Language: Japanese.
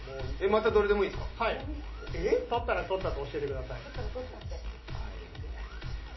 はい、取ったら取ったと教えてください。